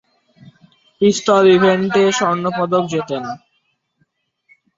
পিস্তল ইভেন্টে স্বর্ণ পদক জেতেন।